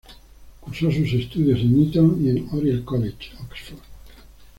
Cursó sus estudios en Eton y en Oriel College, Oxford.